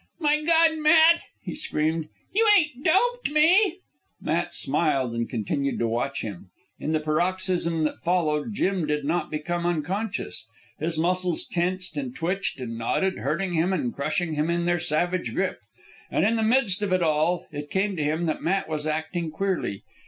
"My God, Matt!" he screamed. "You ain't doped me?" Matt smiled and continued to watch him. In the paroxysm that followed, Jim did not become unconscious. His muscles tensed and twitched and knotted, hurting him and crushing him in their savage grip. And in the midst of it all, it came to him that Matt was acting queerly.